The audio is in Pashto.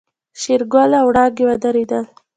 شېرګل او وړانګې ودرېدل.